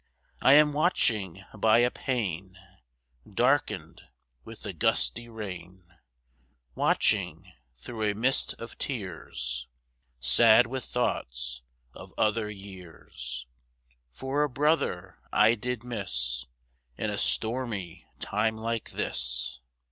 I am watching by a pane Darkened with the gusty rain, Watching, through a mist of tears, Sad with thoughts of other years, For a brother I did miss In a stormy time like this.